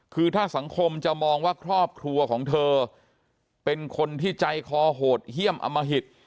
คือถ้าสังคมจะมองว่าครอบครัวของเธอเป็นคนที่ใจคอโหดเยี่ยมอมหิต